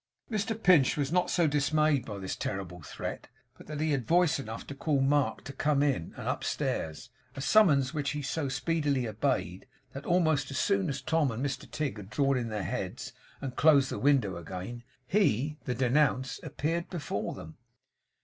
Mr Pinch was not so dismayed by this terrible threat, but that he had voice enough to call to Mark to come in, and upstairs; a summons which he so speedily obeyed, that almost as soon as Tom and Mr Tigg had drawn in their heads and closed the window again, he, the denounced, appeared before them.